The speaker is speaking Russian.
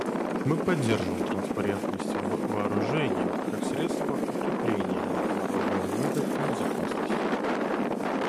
Мы поддерживаем транспарентность в вооружениях как средство укрепления международного мира и безопасности.